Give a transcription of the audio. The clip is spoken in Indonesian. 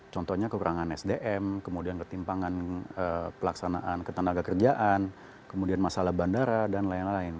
contohnya kekurangan sdm kemudian ketimpangan pelaksanaan ketenaga kerjaan kemudian masalah bandara dan lain lain